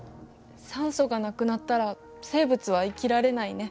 酸素がなくなったら生物は生きられないね。